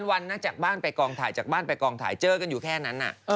วันจากบ้านไปกองถ่ายจากบ้านไปกองถ่ายเจอกันอยู่แค่นั้น